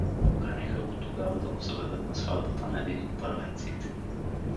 Поканиха го тогава да го заведат на сватбата на един от първенците.